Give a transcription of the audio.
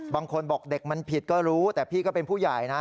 บางคนบอกเด็กมันผิดก็รู้แต่พี่ก็เป็นผู้ใหญ่นะ